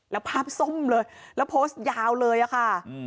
แล้วภาพส้มเลยแล้วโพสต์ยาวเลยอะค่ะ